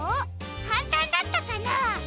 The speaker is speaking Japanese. かんたんだったかな？